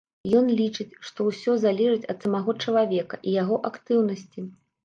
Ён лічыць, што ўсё залежыць ад самога чалавека і яго актыўнасці.